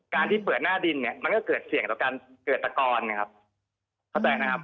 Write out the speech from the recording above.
การที่เปิดหน้าดินเนี่ยมันก็เกิดเสี่ยงกับการเกิดตะกอนนะครับ